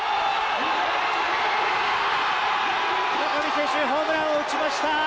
村上選手ホームランを打ちました！